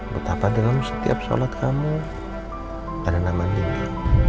betapa dalam setiap sholat kamu ada nama nindi